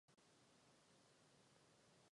Je třeba nový začátek.